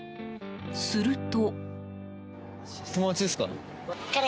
すると。